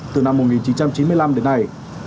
từ năm một nghìn chín trăm chín mươi năm đến nay